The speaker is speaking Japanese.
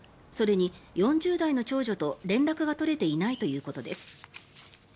それに４０代の長女と連絡が取れていないということです。